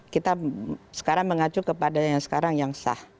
kita sekarang mengacu kepada yang sekarang yang sah